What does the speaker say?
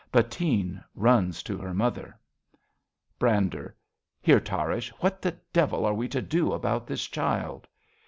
Bettine runs to her mother.) 53 RADA Brander. Here, Tarrasch, what the devil are we to do About this child